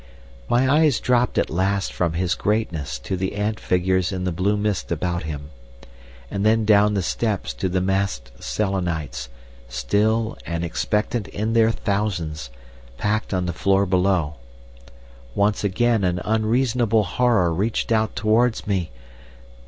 "My eyes dropped at last from his greatness to the ant figures in the blue mist about him, and then down the steps to the massed Selenites, still and expectant in their thousands, packed on the floor below. Once again an unreasonable horror reached out towards me....